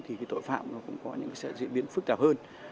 thì tội phạm cũng có những diễn biến phức tạp hơn